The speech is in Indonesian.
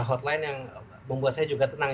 hotline yang membuat saya juga tenang